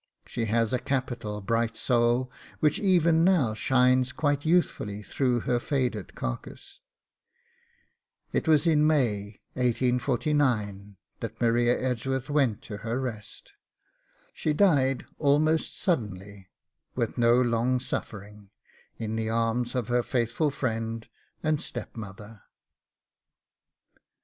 She has a capital bright soul, which even now shines quite youthfully through her faded carcase.' It was in May 1849 that Maria Edgeworth went to her rest. She died almost suddenly, with no long suffering, in the arms of her faithful friend and step mother.